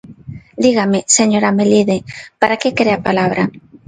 Dígame, señora Melide, para que quere a palabra.